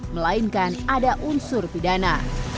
melainkan ada unsur pidana